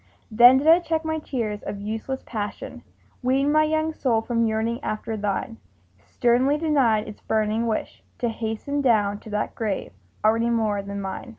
Then did I check my tears of useless passion, Weaned my young soul from yearning after thine, Sternly denied its burning wish to hasten Down to that grave already more than mine!